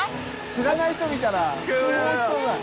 知らない人見たら通報しそうだよ。